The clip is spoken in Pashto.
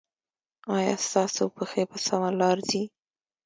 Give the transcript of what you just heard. ایا ستاسو پښې په سمه لار ځي؟